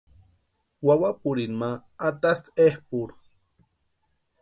Wawapurini ma atasti epʼurhu.